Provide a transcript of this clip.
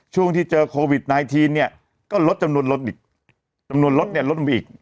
ช่วงที่เจอโควิด๑๙เนี่ยก็ลดจำนวนรถอีกจำนวนรถเนี่ยลดลงไปอีก